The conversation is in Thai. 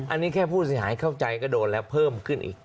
อันนี้แค่ผู้เสียหายเข้าใจก็โดนแล้วเพิ่มขึ้นอีก